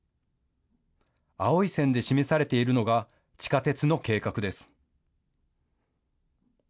青い線で示されているのが、地下鉄の計画です。